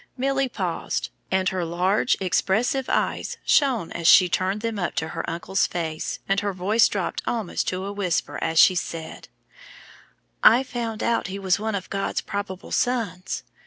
Milly paused, and her large, expressive eyes shone as she turned them up to her uncle's face, and her voice dropped almost to a whisper as she said, "I found out he was one of God's probable sons.